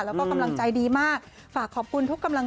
แล้วก็กำลังใจดีมาก